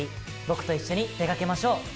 僕と一緒に出かけましょう。